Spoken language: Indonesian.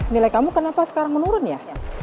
nilai kamu kenapa sekarang menurun ya